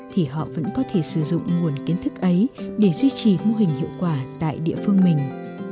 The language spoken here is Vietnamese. thì họ vẫn có thể sử dụng nguồn kiến thức ấy để duy trì mô hình hiệu quả tại địa phương mình